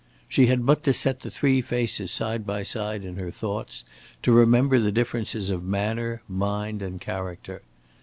She had but to set the three faces side by side in her thoughts, to remember the differences of manner, mind and character.